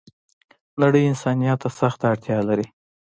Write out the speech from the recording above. نړۍ انسانيت ته سخته اړتیا لری